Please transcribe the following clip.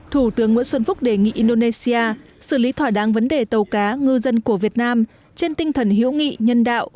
thủ tướng nguyễn xuân phúc đề nghị indonesia xử lý thỏa đáng vấn đề tàu cá ngư dân của việt nam trên tinh thần hiểu nghị nhân đạo